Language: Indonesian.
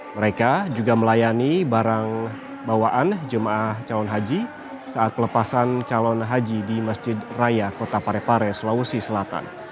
mereka juga melayani barang bawaan jemaah calon haji saat pelepasan calon haji di masjid raya kota parepare sulawesi selatan